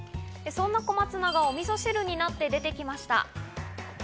そんな小松菜がおみそ汁になって出てきました。